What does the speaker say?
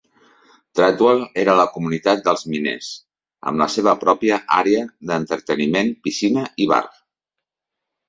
Treadwell era la comunitat dels miners, amb la seva pròpia àrea d'entreteniment, piscina i bar.